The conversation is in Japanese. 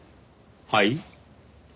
はい？